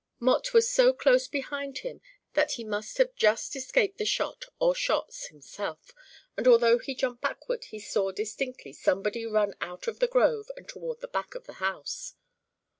Mott was so close behind him that he must have just escaped the shot or shots himself, and although he jumped backward he saw distinctly somebody run out of the grove and toward the back of the house.